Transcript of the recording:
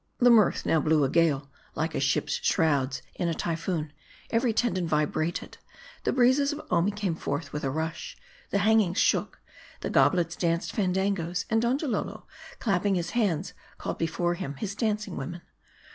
The mirth now blew a gale ; like a ship's shrouds in a Typhoon, every tendon vibrated ; the breezes of Omi came forth with a Tush ; the hangings shook ; the goblets danced . M A R D I. 301 fand angos ; and Donjalolo, clapping his hands, called before him his dancing women.